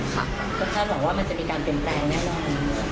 คุณท่านบอกว่ามันจะมีการเปลี่ยนแปลงได้หรือ